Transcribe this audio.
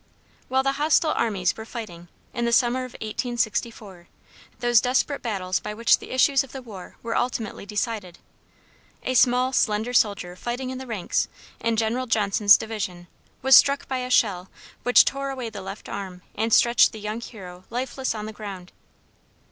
While the hostile armies were fighting, in the summer of 1864, those desperate battles by which the issues of the war were ultimately decided, a small, slender soldier fighting in the ranks, in General Johnson's division, was struck by a shell which tore away the left arm and stretched the young hero lifeless on the ground.